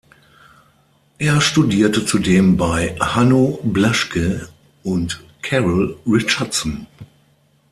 Er studierte zudem bei Hanno Blaschke und Carol Richardson.